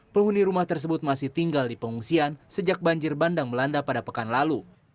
penghuni rumah tersebut masih tinggal di pengungsian sejak banjir bandang melanda pada pekan lalu